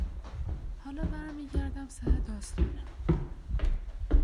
حالا برمیگردم سر داستانم.